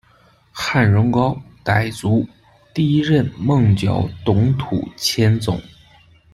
罕荣高，傣族，第一任勐角董土千总。